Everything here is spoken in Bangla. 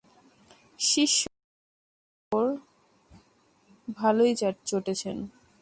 শিষ্যরাও তাঁর ওপর ভালোই চটেছেন।